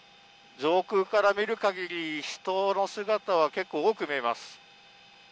上空から見るかぎり、人の姿は結構多く見えます。